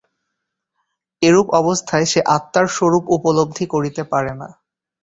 এরূপ অবস্থায় সে আত্মার স্বরূপ উপলব্ধি করিতে পারে না।